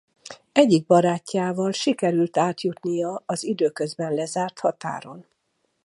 Egyik barátjával sikerült átjutnia az időközben lezárt határon.